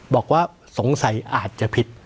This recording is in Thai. บอกว่าสงสัยอาจจะผิด